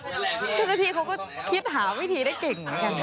เจ้าหน้าที่เขาก็คิดหาวิธีได้เก่งเหมือนกันนะ